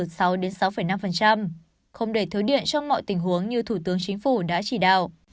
không để thiếu điện trong mọi tình huống như thủ tướng chính phủ đã chỉ đạo